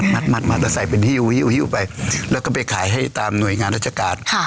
มัดแล้วใส่เป็นฮิ้วไปแล้วก็ไปขายให้ตามหน่วยงานราชการ